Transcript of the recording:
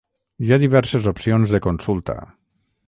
Hi ha diverses opcions de consulta.